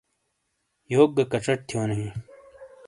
یوک گہ کچٹ تھیونو ہیں۔